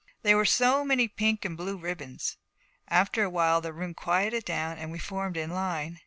There were so many pink and blue ribbons. After a while the room quieted down and we formed in line.